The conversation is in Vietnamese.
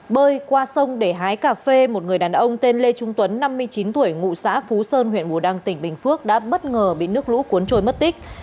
bơi qua sông để hái cà phê một người đàn ông tên lê trung tuấn năm mươi chín tuổi ngụ xã phú sơn huyện bù đăng tỉnh bình phước đã bất ngờ bị nước lũ cuốn trôi mất tích